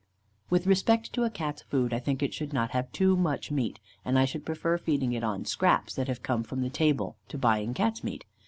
With respect to a Cat's food, I think it should not have too much meat; and I should prefer feeding it on scraps that have come from the table, to buying Cats' meat.